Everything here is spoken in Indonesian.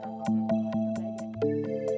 ya bagus kagum gitu ya